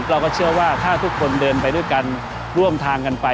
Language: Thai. เราก็เชื่อว่าถ้าทุกคนเดินไปด้วยกันร่วมทางกันไป